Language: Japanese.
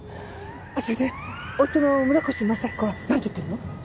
でそれで夫の村越正彦はなんて言ってるの？